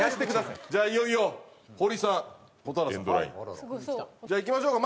じゃあいよいよ堀さん蛍原さん。じゃあいきましょうか。